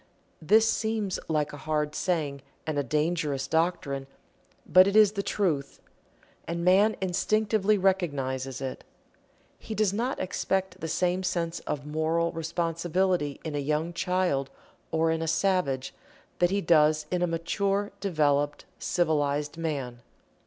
This seems like a hard saying and a dangerous doctrine, but it is the Truth. And man instinctively recognizes it. He does not expect the same sense of moral responsibility in a young child, or in a savage, that he does in a mature, developed, civilized man.